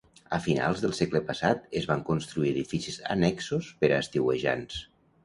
A finals del segle passat es van construir edificis annexos per a estiuejants.